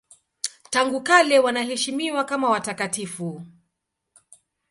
Tangu kale wanaheshimiwa kama watakatifu.